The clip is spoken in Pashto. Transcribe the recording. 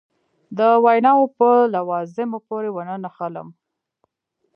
د ویناوو په لوازمو پورې ونه نښلم.